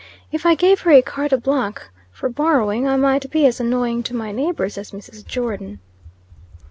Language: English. If I gave her a carte blanche for borrowing, I might be as annoying to my neighbors as Mrs. Jordon."